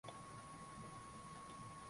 nurdin selumani mimi ni victor abuso kwaheri